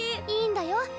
いいんだよ。